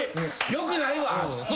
よくないわ。